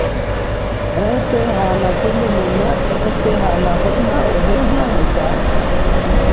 Eswe hana vulumuna, eswe kanahono uhenya wa zambi.